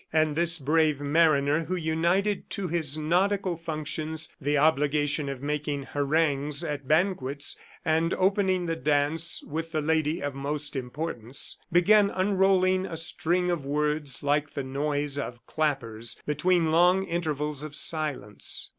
And this brave mariner who united to his nautical functions the obligation of making harangues at banquets and opening the dance with the lady of most importance, began unrolling a string of words like the noise of clappers between long intervals of silence.